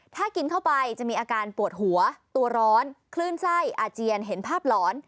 ถ้ากินเข้าไปจะมีอาการปวดหัวตัวร้อนคลื่นไส้อาเจียนเห็นภาพหลอน